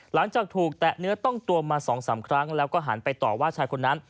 หลังจากถูกแตะเนื้อต้องตัวมา๒๓ครั้งแล้วก็หันไปต่อว่าชายคนนั้น